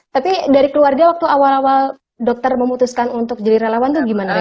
tapi dari keluarga waktu awal awal dokter memutuskan untuk jadi relawan itu gimana